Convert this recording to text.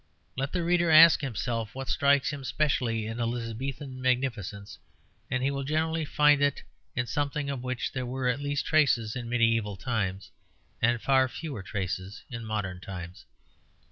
Let the reader ask himself what strikes him specially in the Elizabethan magnificence, and he will generally find it is something of which there were at least traces in mediæval times, and far fewer traces in modern times.